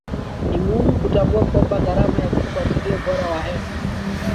Ni muhimu kutambua kwamba gharama ya kufuatilia ubora wa hewa